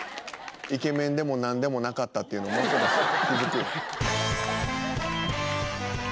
「イケメンでもなんでもなかった」っていうのもうすぐ気づくよ。